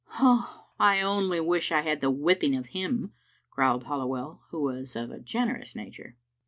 "I only wish I had the whipping of him," growled Halliwell, who was of a generous nature.